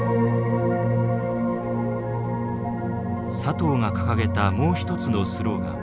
佐藤が掲げたもう一つのスローガン